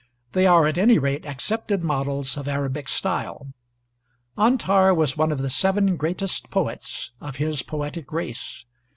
They are at any rate accepted models of Arabic style. Antar was one of the seven greatest poets of his poetic race.